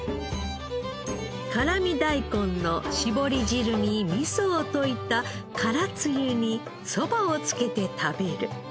辛味大根の絞り汁にみそを溶いた辛つゆにそばをつけて食べる。